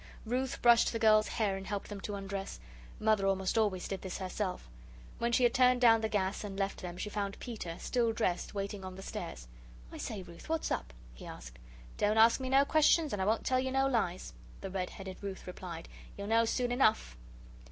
Ruth brushed the girls' hair and helped them to undress. (Mother almost always did this herself.) When she had turned down the gas and left them she found Peter, still dressed, waiting on the stairs. "I say, Ruth, what's up?" he asked. "Don't ask me no questions and I won't tell you no lies," the red headed Ruth replied. "You'll know soon enough."